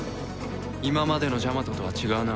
今までのジャマトとは違うな。